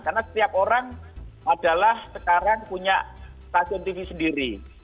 karena setiap orang adalah sekarang punya stasiun tv sendiri